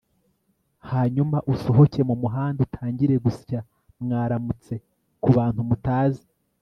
hanyuma usohoke mu muhanda utangire gusya 'mwaramutse' ku bantu mutazi